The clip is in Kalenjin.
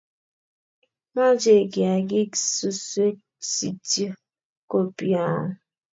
Machei kiakik suswek sityo ko piong